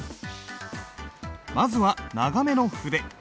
まずは長めの筆。